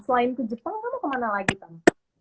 selain ke jepang kamu kemana lagi tam